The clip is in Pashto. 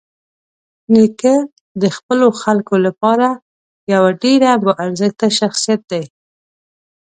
نیکه د خپلو خلکو لپاره یوه ډېره باارزښته شخصيت دی.